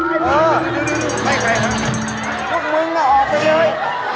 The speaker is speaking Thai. พวกมึงน่ะออกไปเลย